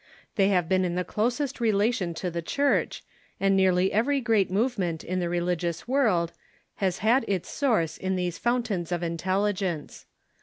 They have been in the closest relation to the Church, and nearly every great movement in the religious world has had its source in these fountains of intelligence.